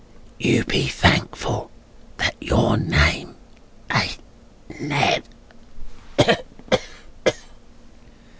You be thankful that your name ain't Ned."